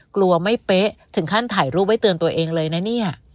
กลัวไม่เป๊ะถึงขั้นถ่ายรูปไว้เตือนตัวเองเลยนะเนี่ย